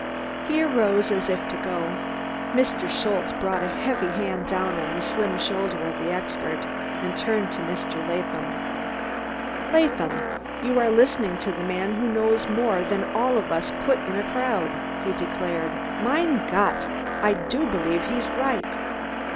He arose as if to go. Mr. Schultze brought a heavy hand down on the slim shoulder of the expert, and turned to Mr. Latham. "Laadham, you are listening to der man who knows more as all of us pud in a crowd," he declared. "Mein Gott, I do believe he's right!"